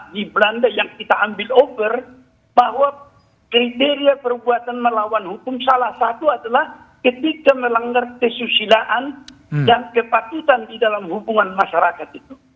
di belanda yang kita ambil over bahwa kriteria perbuatan melawan hukum salah satu adalah ketika melanggar kesusilaan dan kepatutan di dalam hubungan masyarakat itu